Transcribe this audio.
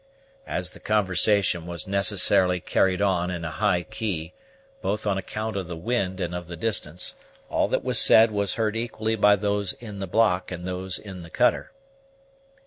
As the conversation was necessarily carried on in a high key, both on account of the wind and of the distance, all that was said was heard equally by those in the block and those in the cutter.